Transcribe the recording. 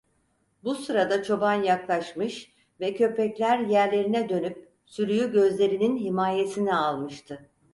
Bu sırada çoban yaklaşmış ve köpekler yerlerine dönüp sürüyü gözlerinin himayesine almıştı.